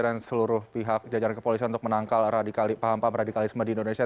dan seluruh pihak jajaran kepolisian untuk menangkal paham paham radikalisme di indonesia